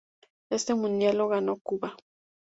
Este mundial lo ganó Cuba.